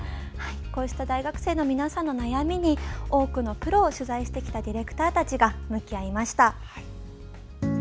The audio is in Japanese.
こうした大学生の皆様の悩みに多くの苦労を取材してきたディレクターたちが向き合いました。